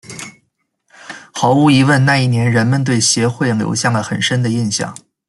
毫无疑问那一年人们对协会留下了很深的印象。